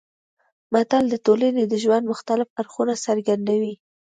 متل د ټولنې د ژوند مختلف اړخونه څرګندوي